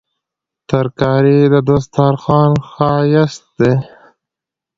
ترکاري د سترخوان ښايست دی